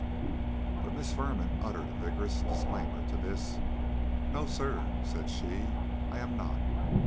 But Miss Firman uttered a vigorous disclaimer to this. "No, sir," said she, "I am not.